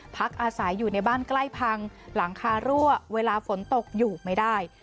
พักอาศัยอยู่ในบ้านใกล้พังหลังคารั่วเวลาฝนตกอยู่ไม่ได้